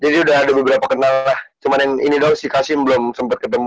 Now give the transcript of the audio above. jadi udah ada beberapa kenal lah cuman yang ini doang si kasim belum sempet ketemu